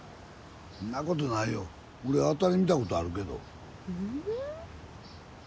んなことないよ俺あたり見たことあるけど。